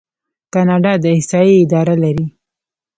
کاناډا د احصایې اداره لري.